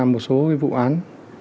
một số vụ án